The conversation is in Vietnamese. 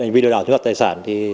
hành vi lừa đảo chiếm đoạt tài sản